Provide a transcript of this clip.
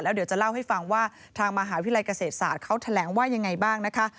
เดี๋ยวจะเล่าให้ฟังว่าทางมหาวิทยาลัยเกษตรศาสตร์เขาแถลงว่ายังไงบ้างนะคะ